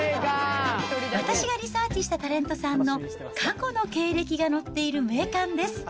私がリサーチしたタレントさんの過去の経歴が載っている名鑑です。